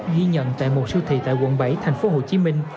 ghi nhận tại một siêu thị tại quận bảy tp hcm